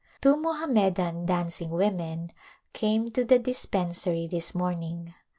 Two Mohammedan dancing women came to the dispensary this morning.